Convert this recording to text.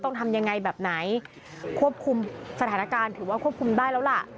ต้องทำยังไงแบบไหนควบคุมสถานการณ์ถือว่าควบคุมได้แล้วล่ะ